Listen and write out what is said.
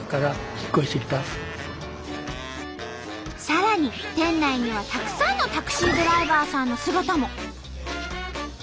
さらに店内にはたくさんのタクシードライバーさんの姿も。